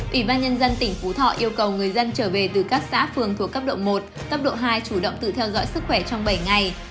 ủy ban nhân dân tỉnh phú thọ yêu cầu người dân trở về từ các xã phường thuộc cấp độ một cấp độ hai chủ động tự theo dõi sức khỏe trong bảy ngày